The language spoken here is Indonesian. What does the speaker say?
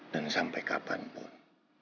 dan sampai kapanpun